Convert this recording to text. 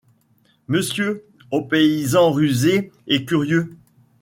Monsieur, aux paysans rusés et curieux.